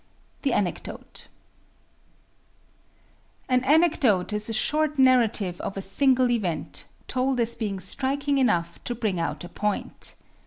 The Anecdote An anecdote is a short narrative of a single event, told as being striking enough to bring out a point.